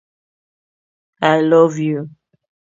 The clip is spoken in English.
Rosann Wowchuk replaced Selinger as interim Minister of Finance.